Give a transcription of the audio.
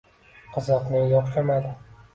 Qiziq nega o'xshamadi?